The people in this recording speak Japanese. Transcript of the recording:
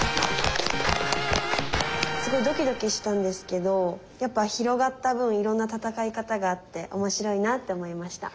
すごいドキドキしたんですけどやっぱ広がった分いろんな戦い方があって面白いなって思いました。